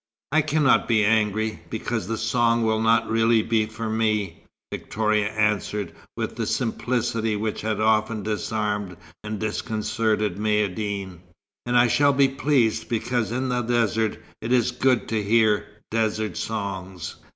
"I cannot be angry, because the song will not really be for me," Victoria answered with the simplicity which had often disarmed and disconcerted Maïeddine. "And I shall be pleased, because in the desert it is good to hear desert songs."